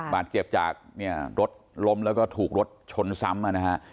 บาดเจ็บจากรถล้มแล้วก็ถูกรถชนซ้ำ